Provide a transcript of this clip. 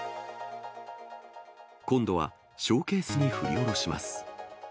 今度はショーケースに振り下ろします。